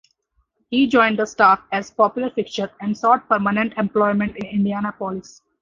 He joined the staff as a popular fixture, and sought permanent employment in Indianapolis.